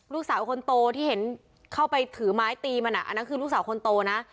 ลูกสาวคนโตที่เห็นเข้าไปถือไม้ตีมันอันนั้นคือลูกสาวคนโตนะ